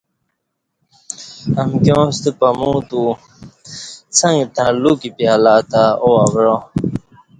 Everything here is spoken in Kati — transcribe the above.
امکیاں ستہ پمو اتو څݩگ تݩع لُوکِی پیالہ تہ او اوعا